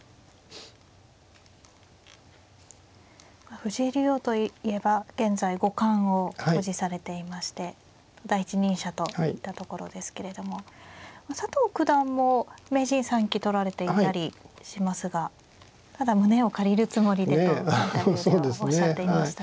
藤井竜王といえば現在５冠を保持されていまして第一人者といったところですけれども佐藤九段も名人３期取られていたりしますがただ胸を借りるつもりでとインタビューではおっしゃっていましたね。